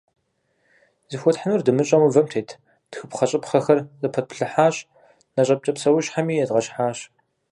Зыхуэтхьынур дымыщӏэу мывэм тет тхыпхъэщӏыпхъэхэр зэпэтплъыхьащ, нэщӏэпкӏэ псэущхьэми едгъэщхьащ.